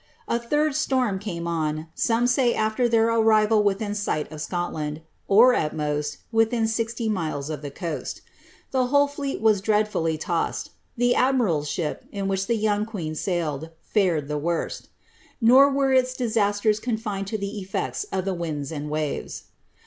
A third storm came on, tome say after their arrival within sight of Scotland, or, at most, within sixty miles of the coast The whole fleet was dreadfully tossed : the admiral^s ship, in which the young queen sailed, fared the worst Nor were its disasters confined to the effects of the winds and waves.